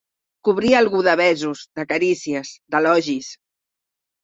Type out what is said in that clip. Cobrir algú de besos, de carícies, d'elogis.